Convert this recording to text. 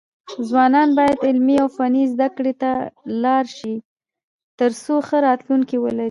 ځوانان بايد علمي او فني زده کړو ته لاړ شي، ترڅو ښه راتلونکی ولري.